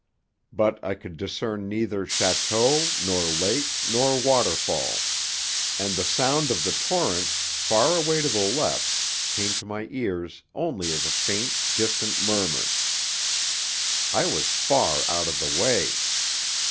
But I could discern neither château nor lake nor waterfall, and the sound of the torrent, far away to the left, came to my ears only as a faint distant murmur. I was far out of the way.